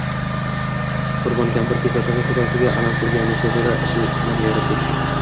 Qurbon kampir kesatigʼi qudasiga alam qilganini sezdi-da, ichidan yayrab ketdi.